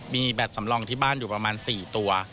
มีแบตสำรองที่บ้านอยู่ประมาณ๔ตัว